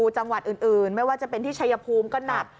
จังหวัดอื่นไม่ว่าจะเป็นที่ชายภูมิก็หนัก